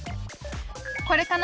これかな？